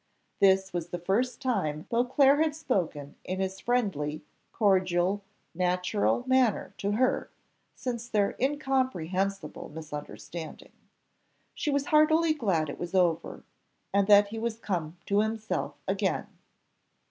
This was the first time Beauclerc had spoken in his friendly, cordial, natural manner, to her, since their incomprehensible misunderstanding. She was heartily glad it was over, and that he was come to himself again.